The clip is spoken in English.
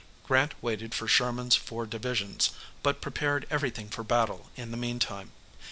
Grant waited for Sherman's four divisions, but prepared everything for battle in the meantime.